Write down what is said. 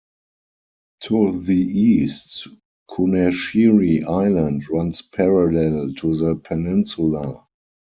To the east, Kunashiri Island runs parallel to the peninsula.